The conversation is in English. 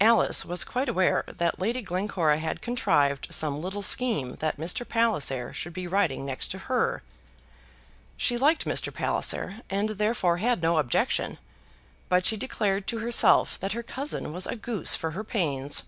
Alice was quite aware that Lady Glencora had contrived some little scheme that Mr. Palliser should be riding next to her. She liked Mr. Palliser, and therefore had no objection; but she declared to herself that her cousin was a goose for her pains.